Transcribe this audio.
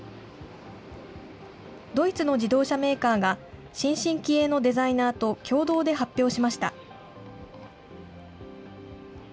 ドイツの自動車メーカーが、新進気鋭のデザイナーと、共同で発表しました。